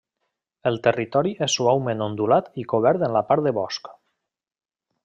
El territori és suaument ondulat i cobert en part de bosc.